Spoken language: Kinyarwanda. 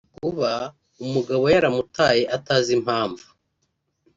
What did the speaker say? kuba umugabo yaramutaye atazi impamvu